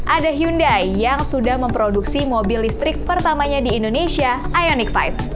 ada hyundai yang sudah memproduksi mobil listrik pertamanya di indonesia ioniq lima